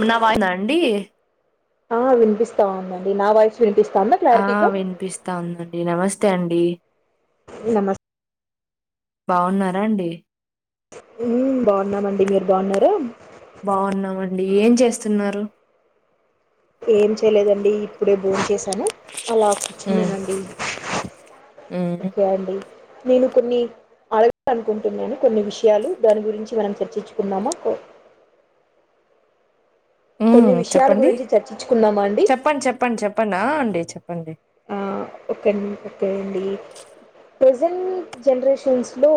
ఉనవా ఏందండి ఆ వినిపిస్తా ఉందండి నా వాయిస్ వినిపిస్తాందా ఆ క్లారిటీగా వినిపిస్తా ఉందండి నమస్తే అండి నమస్ బావున్నారా అండి ఊ బాగున్నామండి మీరు బాగున్నారా బాగున్నామండి ఏం చేస్తున్నారు ఏం చేయలేదండి ఇప్పుడే బోంచేసా చేశాను అలా ఉమ్ కూర్చున్నానండి ఉమ్ ఓకే అండి నేను కొన్ని అడగాలనుకుంటున్నాను కొన్ని విషయాలు దాని గురించి మనం చర్చించుకుందామా కో ఊ కొన్ని విషయాల చెప్పండి గురించి చర్చించుకుందామా అండి చెప్పండి చెప్పండి చెప్పండి ఆ అండి చెప్ ఆ ఓక ని ఓకేండి ప్రెజెంట్ జనరేషన్స్ లో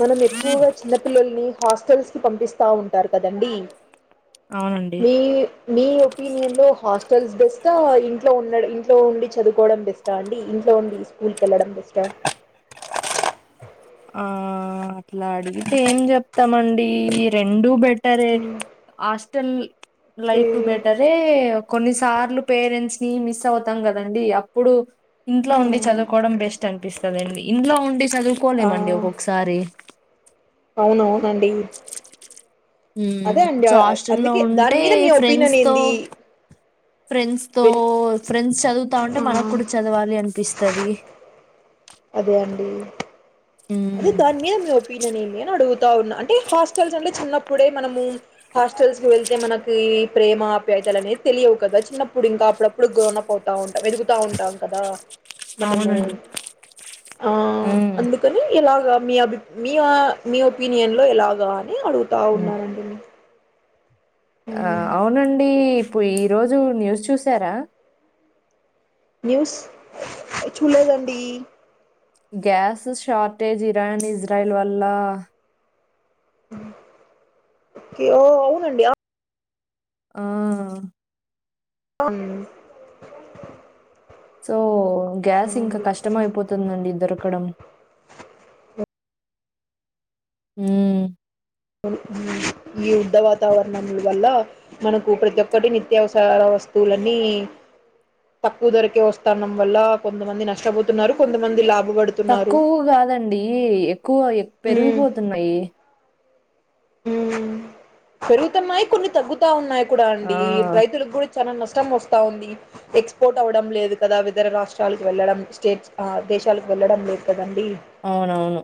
మనం ఎక్కువగా చిన్నపిల్లల్ని హాస్టల్స్ కి పంపిస్తూ ఉంటారు కదండి అవునండి నీ నీ ఒపినియన్ లో హస్ హాస్టల్స్ బెస్ట ఇంట్లో ఉండ ఇంట్లో ఉండి చదువుకోవడం బెస్ట అండి ఇంట్లో ఉండి స్కూల్కి వెళ్ళడం బెస్ట్ ట ఆ అట్లా అడిగితే ఏం చెప్తామండి రెండు బెడ్త్ టరే హాస్టల్ ఓకే లైఫ్ బెటరే కొన్ని సార్లు పేరెంట్స్ ని మిస్ అవుతాం కదండి అప్పుడు ఇంట్లో ఉండి చదువుకోవడం బెస్ట్ అనిపిస్ టదండి ఇంట్లో ఉండి ఆ చదువుకోలేమండి ఒక్కొక్కసారి అవునవునండి హ్మ్మ్ అదే అండి సో అ- హాస్టల్ లో అందుకే దాని ఉంటే మీద మీ ఒపీనియన్ ఫ్రెండ్స్ తో ఏంది ఫ్రెండ్స్ తో వెన్ ఫ్రెండ్స్ చదువుతా ఉంటే ఆ, మనకు కూడా చదవాలి అనిపిస్తది అదే అండి హ్మ్. అదే దాని మీద మీ ఒపీనియన్ ఏంది అని అడుగుతు ఉ అంటే హాస్టల్స్ అంటే చిన్నప్పుడే మనము హాస్టల్స్ కి వెళ్తే మనకి ప్రేమ ఆప్యాయత అనేది తెలియవు కదా చిన్నప్పుడు ఇంకా అప్పుడప్పుడు గ్రోన్ అప్ అవుతా ఉంటాం ఎదుగుతా ఉంటాం కదా మనము అవునండి. ఆ హ్మ్. అందుకు ఎలాగా మీ అభి మీ మీ ఒపీనియన్ లో ఎలాగా అని అడుగుతా హ్మ్. ఉన్నానండి న ఆ అవునండి ఇప్పుడు ఈరోజు న్యూస్ చూసారా న్యూస్ చూడలేదండి గ్యాస్ షార్టేజ్ ఇరాన్ ఇజ్రాయిల్ వల్ల ఓ అవునండి ఆ అన్ సో గ్యాస్ ఇంకా కష్టమ అయిపోతుందండి దొరకడం హ్మ్మ్ హుమ్మ్ ఈ యుద్ధ వాతావరణం వల్ల మనకు ప్రతి ఒక్కటి నిత్యావసర వస్తువులన్నీ తక్కువ ధరకే వస్తానం వల్ల కొంతమంది నష్టపోతున్నారు కొంతమంది లాభ తక్కువ కాదండి ఎక్కువ పెరిగిపోతున్నాయి హ్మ్మ్ పెరుగుతున్నాయి కొన్ని తగ్గుతా ఉన్నాయి కూడా ఆ! అండి రైతులకు కూడా చాలా నష్టం వస్తా ఉంది ఎక్స్పోర్ట్ అవ్వడం లేదు కదా వితర రాష్ట్రాలకు వెళ్ళడం స్టేట్స్ దేశాలకు వెళ్లడం లేదు కదండి అవునవును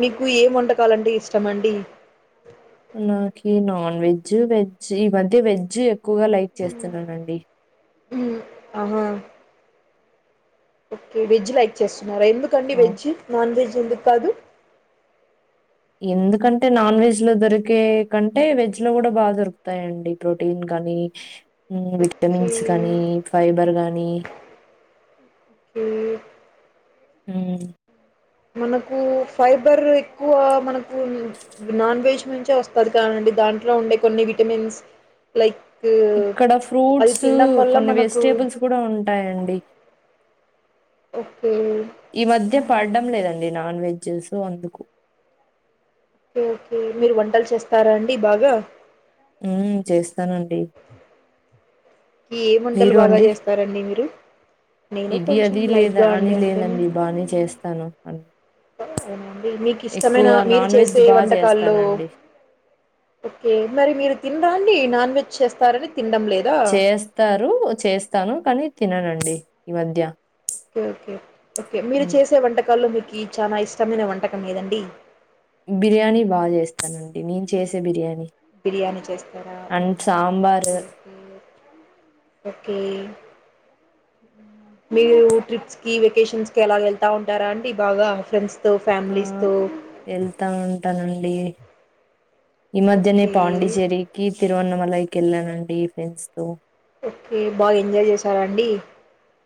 మీకు ఏం వంటకాలంటె ఇష్టమండి నాకి నాన్ వెజ్ వెజ్ ఈ మధ్య వెజ్ ఎక్కువగా లైక్ చేస్తున్నానండి హుమ్మ్ ఆహా ఓకే వెజ్ లైక్ చేస్తా ఎందుకండి అవును. వెజ్ నాన్ వెెజ్ ఎందుక్కాదు ఎందుకంటే నాన్ వెజ్ లో దొరికే కంటే వెజ్ లో కూడా బాగా దొరుకుతాయండి ప్రోటీన్ కాగానీ ఓకే విటమిన్స్ కానీ ఫైబర్ గానీ ఓకే హ్మ్మ్ మనకు ఫైబర్ ఎక్కువ మనకు నాన్ వెజ్ నుంచే వస్తది కానిండి దాంట్లో ఉండే కొన్ని విటమిన్స్ లైక్ ఇక్కడ అది ఫ్రూట్స్ తినడం వల్ల కొన్ని మనకు వెజిటేబుల్స్ కూడా ఉంటాయండి ఓకే ఈ మధ్య పడడం లేదండి నాన్ వెజ్ చేసేయ్ అందుకు ఓకే ఓకే మీరు వంటలు చేస్తారా అండి బాగా హ్మ్మ్ చేస్తానండి ఏ మంటలు మీరు బాగా అండి? చేస్తారండి మీరు నేను ఇది కొంచెం అది లేదా లైట్గా అని అండి అంతేనా లేదండి బానే చేస్తాను అని అవునండి మీకు ఇష్టమైన మీరు నాన్ వెజ్ చేసే బా వంటకాల్లో చేస్తానండి. ఓకే మరి మీరు తిన రండి నాన్ వెజ్ చేస్తారని తినడం లేదా చేస్తారు చేస్తాను కానీ తిననండి ఈ మధ్య ఓకే ఓకే మీరు హ్మ్. చేసే వంటకాల్లో మీకు చాలా ఇష్టమైన వంటకం ఏదండి బిర్యానీ బాగా చేస్తానండి నేను చేసే బిర్యానీ బిర్యానీ చేస్తారా ఉమ్మ్ and sambar okay okay okay మీరు ట్రిప్స్ కి వెకేషన్స్ కి అలా వెళ్తా ఉంటారా అంటే బాగా ఫ్రెండ్స్ ఆ వెళ్తా ఉంటానండి డి ఈ మధ్యనే ఓకే. పాండిచేరికి తిరువనమలయికి వెళానండి ఫ్రెండ్స్ తో ఓకే. బాగా ఎంజాయ్ చేశారా అండి?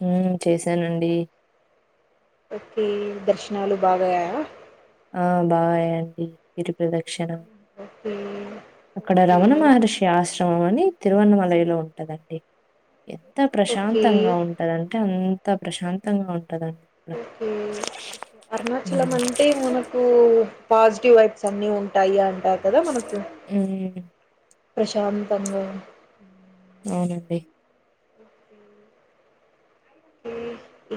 హ్మ్మ్ చేశానండి ఓకే దర్శనాలు బాగా అయ్యాయా ఆ బాగా అయ్యాయండి గిరి ప్రదక్షిణ ఓకే. అక్కడ ఓకే. రమణ మహర్షి ఆశ్రమ మని తిరువనమలై లో ఉంటదండి ఎంత ఓకే. ప్రశాంతంగా ఉంటదంటే అంత ప్రశాంతంగా ఉంట ఓకే అరుణాచలం హ్మ్. అంటే మనకు పాజిటివ్ వైబ్స్ అన్ని ఉంటాయి అంటారు కదా మనకు హ్మ్. ప్రశాంతంగా అవునండి ఓకే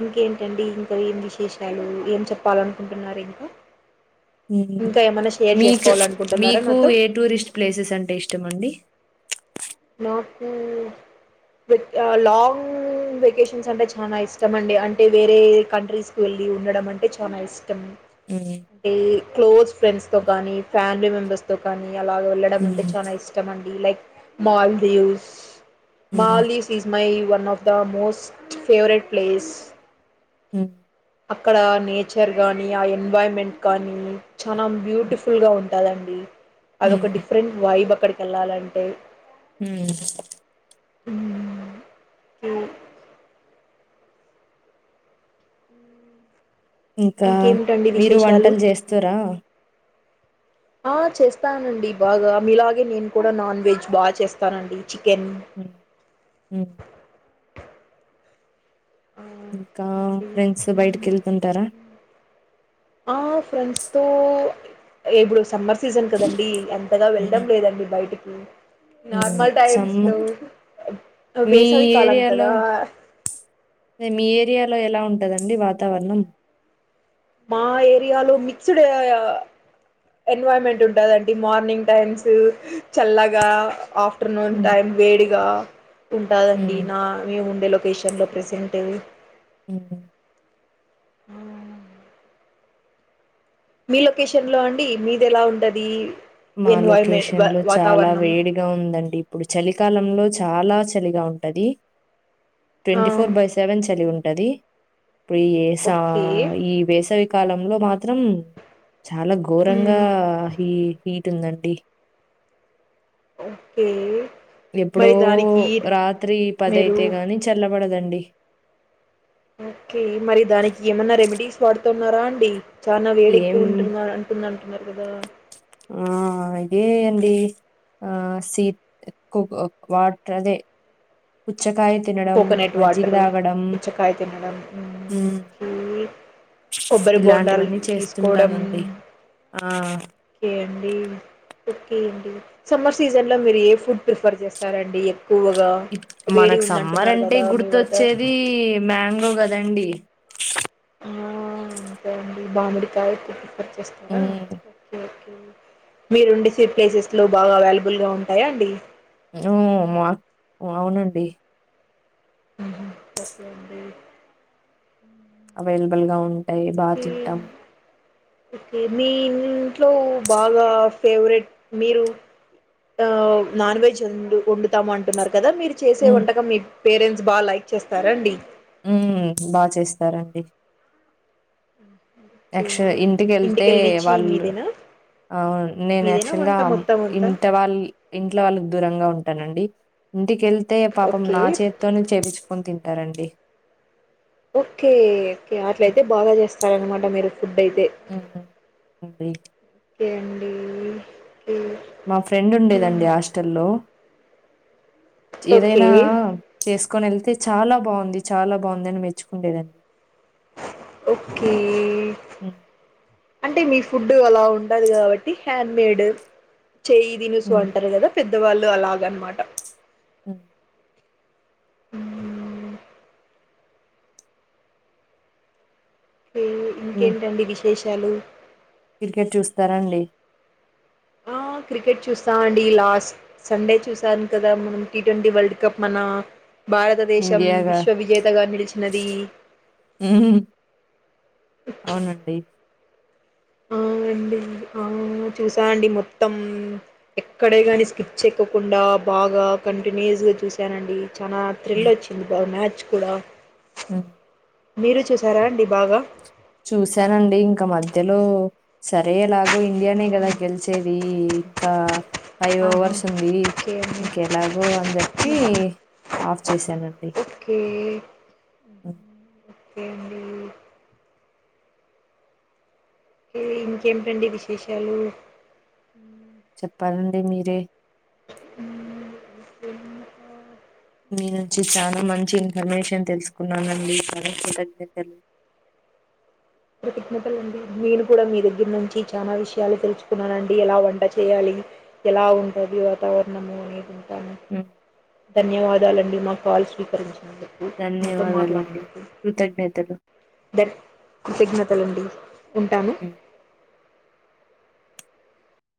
ఇంకేంటండి ఇంకా ఏం విశేషాలు ఏం చెప్పాలనుకుంటున్నారు ఇంకా ఇంకా ఏమైనా షేర్ మీకు చేసుకోవాలనుకుంటున్నారా మీకు నాతో ఏ టూరిస్ట్ ప్లేసెస్ అంటే ఇష్టం అండి నాకు లాంగ్ వెకేషన్స్ అంటే చాలా ఇష్టం అండి అంటే వేరే కంట్రీస్కు వెళ్ళి ఉండడం అంటే చాలా ఇష్టం హ్మ్. అంటే క్లోజ్ ఫ్రెండ్స్ తో కానీ ఫ్యామిలీ మెంబర్స్ తో కానీ అలా వెళ్ళడం అంటే హ్మ్. చాలా ఇష్టం అండి లైక్ మాల్దీవ్స్ హ్మ్. Maldives my one of the most favourite place హ్మ్మ్ అక్కడ నేచర్ గానీ ఆ ఎన్వర్న్మెంట్ గానీ చాలా బ్యూటిఫుల్ గా ఉంటదండి అదొక హ్మ్. డిఫరెంట్ వైబ్ అక్కడికి వెళ్ళాలంటే హ్మ్మ్ మ్మ్. ఇంకా ఇంకేమిటండి మీరు విశేషాలు వంటలు చేస్తారా? ఆ చేస్త స్తానండి బాగా మీలాగే నేను కూడా నాన్ వెజ్ బాగా చేస్తానండి చికెన్ హ్మ్. హ్మ్. ఆ ఇంకా అవునండి. ఫ్రెండ్స్తో బయటికి మ్మ్. వెళ్తుంటారా తో ఇప్పుడు సమ్మర్ సీజన్ కదండి అంతగా వెళ్ళడం హ్మ్. లేదండి బయటికి హ్మ్. నార్మల్ సమ్ టైమ్స్ లో మీ వేసవి కాలం ఏరియాలో కదా మీ ఏరియాలో ఎలా ఉంటందండి వాతావరణం మా ఏరియాలో మిక్స్డ్ ఎన్వామెంట్ ఉంటదండి మార్నింగ్ టైమ్స్ చల్లగా ఆఫ్ ఆఫ్టర్నూన్ హ్మ్. టైం వేడిగా ఉంటాదండి హ్మ్. నా మేము ఉండే లొకేషన్లో ప్రసెంట్ ఆహా ఆ మీ లొకేషన్ లో అండి మీది ఎలా ఉంటది మా ఎన్వైర్మెంట్ లొకేషన్ లో చాలా వాతావరణం వేడిగా ఉందండి ఇప్పుడు చలికాలంలో చాలా చలిగా ఉంటది ఆ ట్వంటీ ఫోర్ బై సెవెన్ చలి ఉం ఉంటది ఇప్పుడు ఈస ఓకే ఈ వేసవి కాలంలో మాత్రం చాలా ఘోరంగా మ్మ్ హ హీట్ ఉందండి ఓకే ఎప్పుడో మరి దానికి రాత్రి మీరు పదయితే గాని చల్లబడదండి ఓకే మరి దానికి ఏమన్నా రెమెడీస్ వాడుతున్నారా అండి చానా ఏం వేడెక్కువ ఉంటున్నారు అంటుంద అంటున్నారు కదా ఏ అండి ఆ సీత్ కు వాటర్ అదే పుచ్చ కాయ తి కోకోనట్ వాటరు పుచ్చకాయ తినడం మంచ. హ్మ్ ఇయీ కొబ్బరి బోండాలు ఇలాంటివన్నీ తీసుకోవడం చేస్తుంటానండి. ఆ ఏండీ ఓకే అండి సమ్మర్ సీజన్లో మీరు ఏ ఫుడ్ ప్రిఫర్ చేస్తారండి క్కువగా వేడి ఉందంట మ్మరండి గుర్తొచ్చేది మ్యాంగో కదండి ఆ... అంతే అండి మామిడికాయ ఎక్కువ ప్రిఫర్ చేస్తారా హ్మ్ ఓకే మీరుండేస ప్లేసెస్ లో బాగా అవైలబుల్ గా ఉంటాయా అండి ఉమ్,. మా అవునండి మ్మ్. ఓకే అండి అవైలబుల్ గా ఉంటాయి బా తింటాం ఒకే మీ ఇంట్లో బాగా ఫేవరెట్ మీరు ఆ నాన్ వెెజ్ ఉండు వండుతామంటన్నారు కదా మీరు చేసే హ్మ్ వంటకం మీ పేరెంట్స్ బా లైక్ చేస్తారండి ఉమ్ బా చేస్తారండి యాక్చుల్ ఇంటికెళ్తే ఇంటికెళ్ళనిచ్చి వాళ్ళు మీదేనా అవు నేను మీదేనా యాక్చువల్ గా వంట మొత్తం అంతా ఇంట్ వాళ్ళ ఇంట్లో వాళ్ళకి దూరంగా ఉంటు టానండి ఇంటికెళ్తే పాపం ఓకే నా చేత్తోనే చేపిచుకొని తింటారండి ఓకే ఓకే అట్లయితే బాగా చేస్తారనమాట మీరు ఫుడ్ అయితే హ్మ్ అండి ఓకే అండి మా ఫ్రెండ్ ఉండేదండి హాస్టల్లో ఓకే ఏదైనా చేసు కొని వెళ్తే చాలా బావుంది చాలా బావుంది అని మెచ్చుకుండేదండ్ ఓకే హ్మ్ అంటే మీ ఫుడ్ అలా ఉండదు కాబట్టి హ్యాండ్ మేడ్ చేయి దినుసు హ్మ్ అంటారు కదా పెద్ద వాళ్ళు అలాగనమాట మ్ ఉ రు మీ ఇంకేంటండి విశేషాలు క్రికెట్ చూస్తారాండి ఆ క్రికెట్ చూస్తా అండి లాస్ట్ సండే చూసాను కదా మనం టీ ట్వంటీ వరల్డ్ కప్ మన భారతదేశం ఇండియాగా విశ్వ విజేతగా నిలిచినది హ్మ్ అవునండి అవునండి ఆ చూసా అండి మొత్తం ఎక్కడైనా కాని స్కిప్ చెయకొకుండా బాగా కంటిన్యూయస్గా చూశానండి చానా థ్రిల్ వచ్చింది బాగా మ్యాచ్ కూడా మ్ మీరు చూసారా అండి బాగా చూశానండి ఇంక మధ్యలో సరే ఎలాగో ఇండియానే మ్మ్. కదా గెలిచేది ఇకా ఫైవ్ ఆహా ఓవర్స్ ఉంది ఓకే అండి ఇంకెలాగో అని చెప్పి ఆఫ్ చేశాను ఓకే ఓకే అండి ఇంకేమిటండి విశేషాలు చెప్పాలండి మీరే మ్మ్. ఇంకా మీ నుంచి చాలా మంచి ఇన్ఫర్మేషన్ తెలుసుకున్నానండి మీకు కృతజ్ఞతలు కృతజ్ఞతలు అండి నేను కూడా మీ దగ్గర నుంచి చాలా విషయాలు తెలుసుకున్నానండి ఎలా వంట చేయాలి ఎలా ఉంటది వాతావరణము అనేది ఉ దన్ హ్మ్. ధన్యవాదాలండి మా కాల్ స్వీకరించి. చెప్పు నాతో ధన్యవాదాలండి మాట్లాడినప్పుడు కృతజ్ఞతలు దే సిగ్నల్. పలుండి ఉంటాను. హ్మ్.